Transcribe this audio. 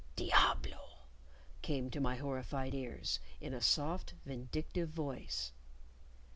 "Diablo!" came to my horrified ears, in a soft, vindictive voice.